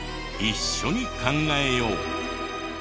一緒に考えよう！